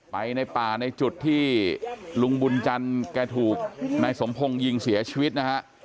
ไปในป่าในจุดที่ลุงบุญจันทร์แกถูกนายสมพงศ์ยิงเสียชีวิตนะฮะ